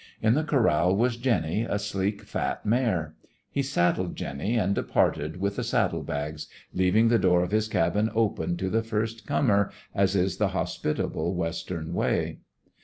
In the corral was Jenny, a sleek, fat mare. He saddled Jenny and departed with the saddle bags, leaving the door of his cabin open to the first comer, as is the hospitable Western way.